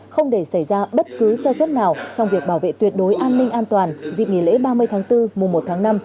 không để xảy ra bất cứ sơ suất nào trong việc bảo vệ tuyệt đối an ninh an toàn dịp nghỉ lễ ba mươi tháng bốn mùa một tháng năm